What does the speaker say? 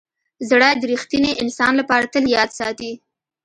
زړه د ریښتیني انسان لپاره تل یاد ساتي.